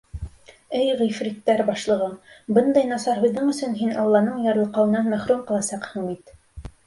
— Эй ғифриттәр башлығы, бындай насар һүҙең өсөн һин Алланың ярлыҡауынан мәхрүм ҡаласаҡһың бит.